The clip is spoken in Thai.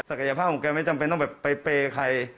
กายภาพของแกไม่จำเป็นต้องแบบไปเปย์ใคร